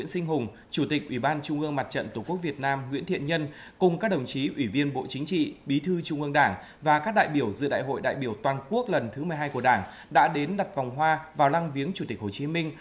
lãnh đạo đảng nhà nước các đại biểu giữa đại hội đã vào lăng viếng chủ tịch hồ chí minh